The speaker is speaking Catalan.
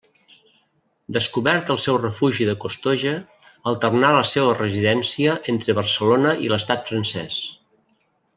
Descobert el seu refugi de Costoja, alternà la seva residència entre Barcelona i l'estat francès.